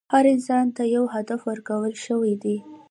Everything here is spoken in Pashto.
هر انسان ته یو هدف ورکړل شوی دی.